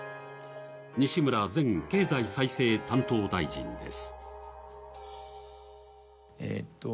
西村前経済再生担当大臣です。